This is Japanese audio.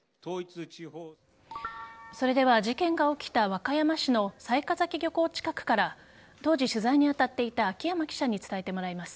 それでは事件が起きた和歌山市の雑賀崎漁港近くから当時取材に当たっていた秋山記者に伝えてもらいます。